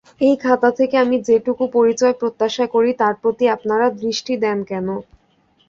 এই খাতা থেকে আমি যেটুকু পরিচয় প্রত্যাশা করি তার প্রতি আপনারা দৃষ্টি দেন কেন?